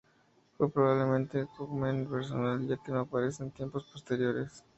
Fue probablemente un cognomen personal, ya que no aparece en tiempos posteriores.